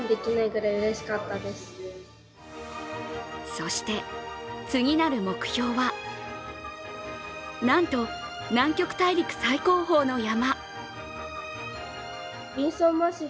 そして、次なる目標はなんと南極大陸最高峰の山。